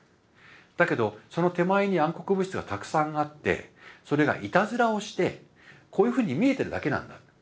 だけどその手前に暗黒物質がたくさんあってそれがいたずらをしてこういうふうに見えてるだけなんだと。